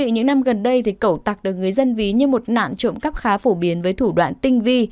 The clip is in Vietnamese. những năm gần đây cẩu tặc được người dân ví như một nạn trộm cắp khá phổ biến với thủ đoạn tinh vi